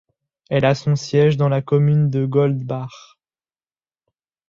Elle a son siège dans la commune de Goldbach.